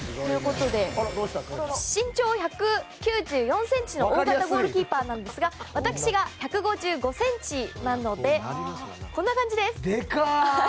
身長１９４ｃｍの大型ゴールキーパーですが私が１５５ｃｍなのでこんな感じです！